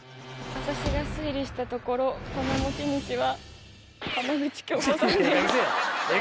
私が推理したところこの持ち主は。